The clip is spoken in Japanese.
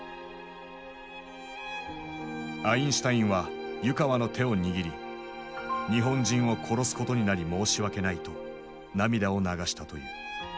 アインシュタインは湯川の手を握り「日本人を殺すことになり申し訳ない」と涙を流したという。